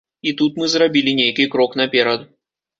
І тут мы зрабілі нейкі крок наперад.